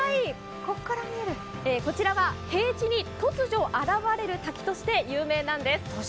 こちらは平地に突如現れる滝として有名なんです。